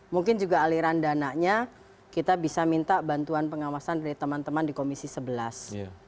mungkin juga aliran dananya kita bisa minta bantuan pengawasan dari teman teman di komisi sebelas